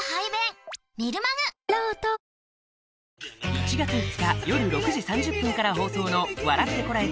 １月２日夜６時３０分から放送の『笑ってコラえて！